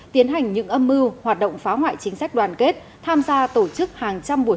tiến hành những âm mưu hoạt động phá hoại chính sách đoàn kết tham gia tổ chức hàng trăm buổi